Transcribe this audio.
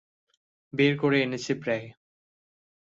বের করে এনেছি প্রায়।